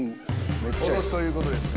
脅すということですか？